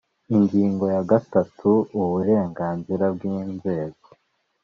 Ingingo ya gatatu Uburenganzira bw inzego